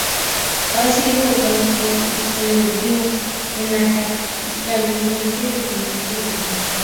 Ha sido "vocal asesor" y "asesor ejecutivo" en el gabinete del Ministro de Defensa.